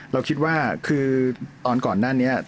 เราคิดว่าคือตอนก่อนหน้านี้